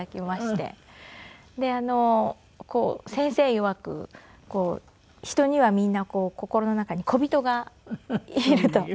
で先生いわく人にはみんな心の中に小人がいると。